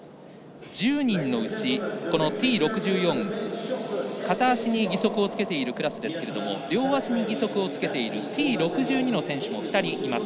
１０人のうち、Ｔ６４片足に義足をつけているクラスですが両足に義足をつけるＴ６２の選手も２人います。